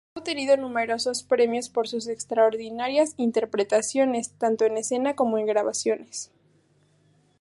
Ha obtenido numerosos premios por sus extraordinarias interpretaciones, tanto en escena, como en grabaciones.